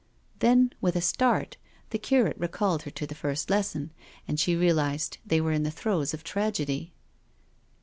Then, with a start, the curate recalled her to the first lesson, and she realised they were in the throes of tragedy.